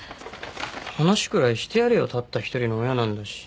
話くらいしてやれよたった一人の親なんだし。